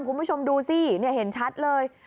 คุณผู้ชมดูสิเห็นชัดเลย